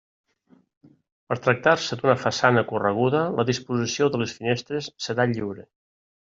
Per tractar-se d'una façana correguda la disposició de les finestres serà lliure.